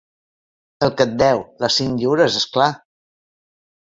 El que et deu; les cinc lliures, és clar.